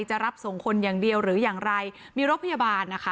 จะรับส่งคนอย่างเดียวหรืออย่างไรมีรถพยาบาลนะคะ